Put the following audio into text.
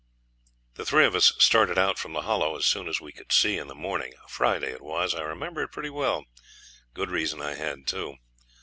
The three of us started out from the Hollow as soon as we could see in the morning; a Friday it was, I remember it pretty well good reason I had, too.